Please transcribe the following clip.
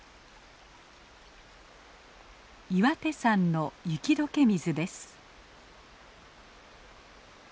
岩手山の雪解け水です。